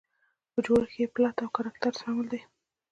په جوړښت کې یې پلاټ او کرکټر شامل دي.